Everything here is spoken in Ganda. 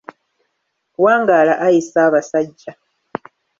Wangaala ayi Ssaabasajja.